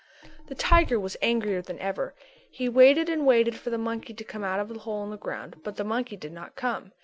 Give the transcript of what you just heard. _" The tiger was angrier than ever. He waited and waited for the monkey to come out of the hole in the ground but the monkey did not come.